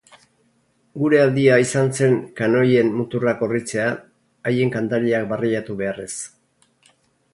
Gure aldia izan zen kanoien muturrak gorritzea, haien kantariak barreiatu beharrez.